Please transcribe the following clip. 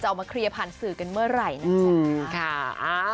จะเอามาเคลียร์ผ่านสื่อกันเมื่อไหร่นะครับ